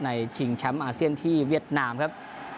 ชิงแชมป์อาเซียนที่เวียดนามครับ